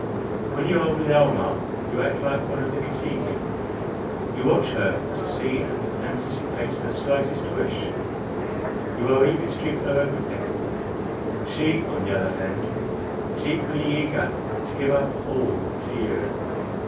When you are with Almah you act like one of the Kosekin. You watch her to see and anticipate her slightest wish; you are eager to give her everything. She, on the other hand, is equally eager to give up all to you.